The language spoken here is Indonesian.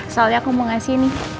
soalnya aku mau ngasih nih